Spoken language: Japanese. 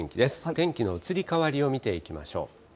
天気の移り変わりを見ていきましょう。